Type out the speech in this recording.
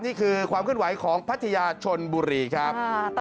นี่คือความขึ้นไหวของพัทยาชนบุรีครับ